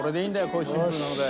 こういうシンプルなので。